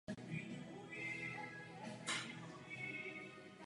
Předtím než začal pravidelně nastupovat za United byl poslán na několik hostování.